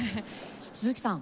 鈴木さん